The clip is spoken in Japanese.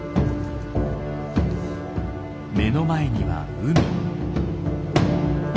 目の前には海。